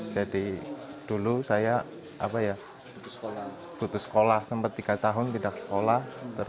jadi dulu saya putus sekolah sempat tiga tahun tidak sekolah